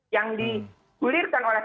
yang dikulirkan oleh ptm